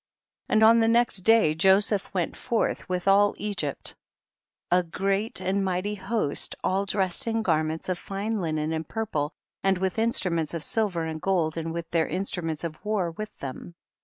8. And on the next day Joseph went forth with all Egypt a great and mighty host, all dressed in garments of fine linen and purple and with in struments of silver and gold and with their instruments of war with them, 9.